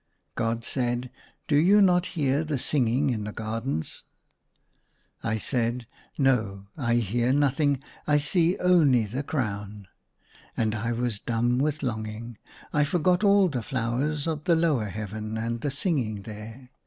God said, " Do you not hear the singing in the gardens ?" I said, "No, I hear nothing ; I see only the crown." And I was dumb with longing ; I forgot all the flowers of the lower Heaven and the singing there.